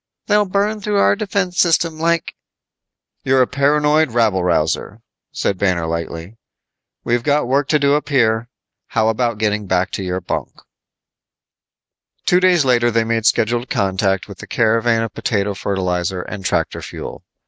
"They'll burn through our defense system like " "You're a paranoid rabble rouser," said Banner lightly. "We've got work to do up here. How about getting back to your bunk?" Two days later they made scheduled contact with the caravan of potato fertilizer and tractor fuel.